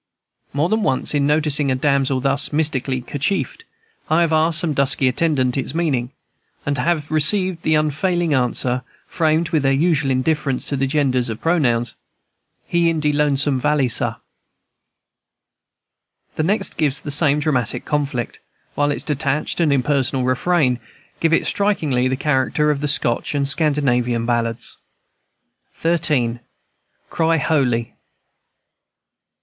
More than once, in noticing a damsel thus mystically kerchiefed, I have asked some dusky attendant its meaning, and have received the unfailing answer, framed with their usual indifference to the genders of pronouns "He in de lonesome valley, sa." The next gives the same dramatic conflict, while its detached and impersonal refrain gives it strikingly the character of the Scotch and Scandinavian ballads. XIII. CRY HOLY.